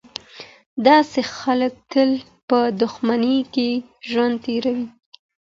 داسې خلګ تل په دښمنۍ کي ژوند تېروي.